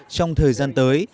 trong thời gian tới